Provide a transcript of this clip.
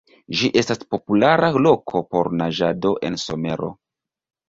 Ĝi estas populara loko por naĝado en somero.